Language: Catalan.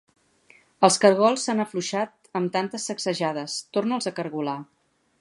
Els cargols s'han afluixat amb tantes sacsejades: torna'ls a cargolar.